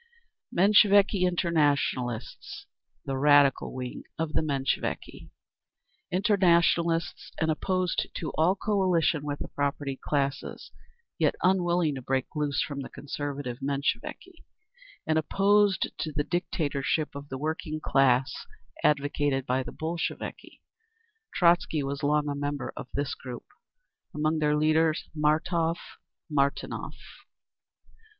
b. Mensheviki Internationalists. The radical wing of the Mensheviki, internationalists and opposed to all coalition with the propertied classes; yet unwilling to break loose from the conservative Mensheviki, and opposed to the dictatorship of the working class advocated by the Bolsheviki. Trotzky was long a member of this group. Among their leaders: Martov, Martinov.